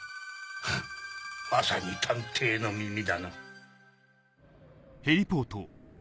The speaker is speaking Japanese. フッまさに探偵の耳だな。